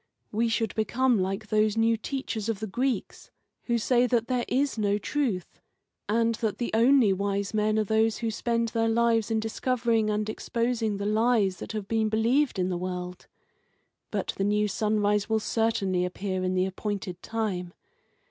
We should become like those new teachers of the Greeks, who say that there is no truth, and that the only wise men are those who spend their lives in discovering and exposing the lies that have been believed in the world. But the new sunrise will certainly appear in the appointed time.